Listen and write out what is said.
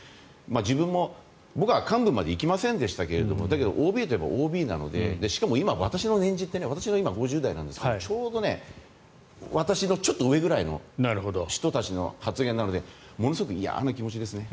自分も、僕は幹部まで行きませんでしたけどＯＢなのでしかも今、私の年次って私は今、５０代なんですけどちょうど私のちょっと上ぐらいの人たちの発言なのでものすごく嫌な気持ちですね